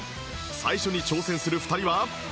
最初に挑戦する２人は